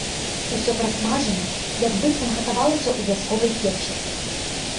Усё прасмажана, як быццам гатавалася ў вясковай печы.